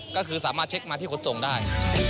ก็คือสามารถเช็คมาที่ขนส่งได้